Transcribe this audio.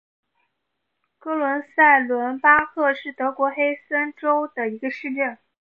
格拉塞伦巴赫是德国黑森州的一个市镇。